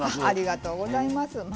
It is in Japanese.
ありがとうございます。